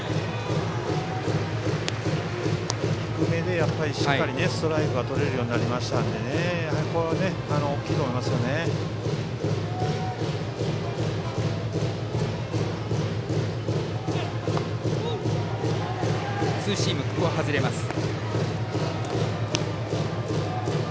低めでしっかりストライクがとれるようになりましたのでこれは大きいと思いますね。